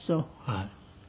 はい。